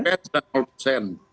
bpn bpn dan bpn